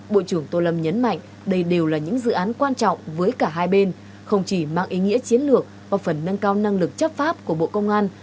bộ trưởng tô lâm nhấn mạnh đây đều là những dự án quan trọng với cả hai bên không chỉ mang ý nghĩa chiến lược và phần nâng cao năng lực chấp pháp của bộ công an